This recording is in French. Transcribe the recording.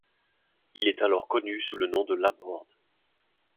Il est alors connu sous le nom de Laborde.